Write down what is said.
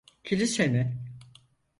Kilise mi?